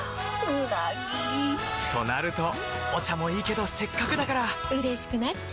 うなぎ！となるとお茶もいいけどせっかくだからうれしくなっちゃいますか！